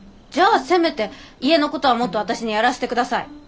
じゃあせめて家のことはもっと私にやらせてください。